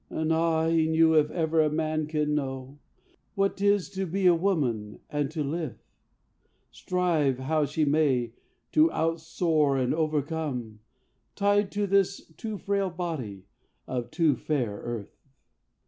And ah, he knew, if ever a man can know, What 't is to be a woman and to live, Strive how she may to out soar and overcome, Tied to this too frail body of too fair earth!